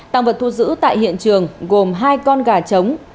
tăng vật thu giữ tại hiện trường gồm hai con gà trống